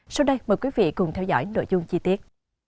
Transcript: sau đây mời quý vị cùng theo dõi nội dung chi tiết